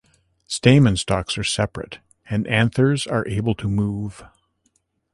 Stamen stalks are separate, and anthers are able to move.